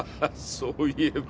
そういえば。